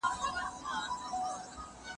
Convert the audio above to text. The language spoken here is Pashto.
د نفوذ مخنيوی يو له سياسي مهارتونو څخه دی.